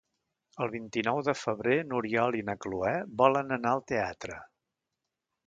El vint-i-nou de febrer n'Oriol i na Cloè volen anar al teatre.